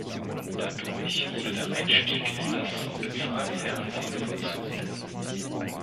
Dadurch wurde der Einstieg in das Bezahlfernsehen vollzogen.